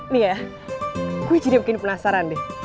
nih ya gue jadi bikin penasaran deh